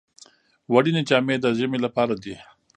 وړینې جامې د ژمي لپاره دي